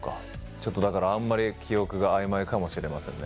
ちょっとだからあんまり記憶があいまいかもしれませんね。